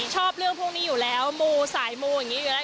ชอบเรื่องพวกนี้อยู่แล้วมูสายมูอย่างนี้อยู่แล้ว